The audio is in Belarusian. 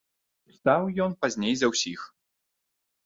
Устаў ён пазней за ўсіх.